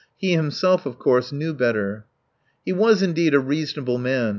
He himself, of course, knew better. He was, indeed, a reasonable man.